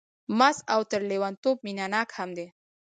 مست او تر لېونتوب مینه ناک هم دی.